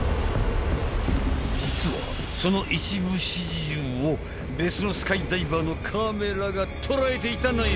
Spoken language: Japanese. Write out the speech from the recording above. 実はその一部始終を別のスカイダイバーのカメラが捉えていたのよ